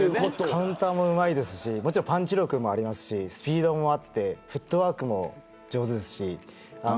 カウンターもうまいですしもちろんパンチ力もありますしスピードもあってフットワークも上手ですし。